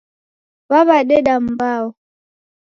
W'aw'adeda mbao.